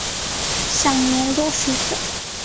享年六十岁。